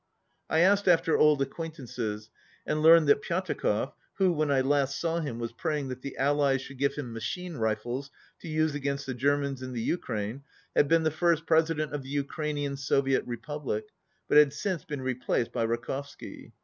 I asked after old acquaintances, and learnt that Pyatakov, who, when I last saw him, was praying that the Allies should give him machine rifles to use against the Germans in the Ukraine, had been the first Presi dent of the Ukrainian Soviet Republic, but had since been replaced by Rakovsky.